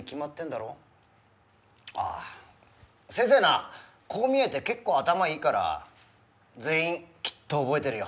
あ先生なこう見えて結構頭いいから全員きっと覚えてるよ。